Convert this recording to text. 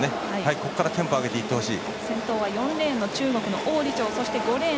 ここからテンポを上げていってほしい。